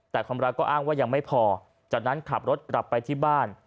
แต่ความรักก็อ้างว่ายังไม่พอจากนั้นขับรถกลับไปที่บ้าน